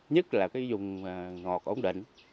nhất là cái dùng ngọt ổn định